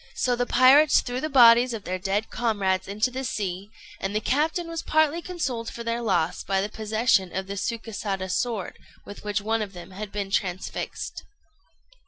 So the pirates threw the bodies of their dead comrades into the sea, and the captain was partly consoled for their loss by the possession of the Sukésada sword with which one of them had been transfixed.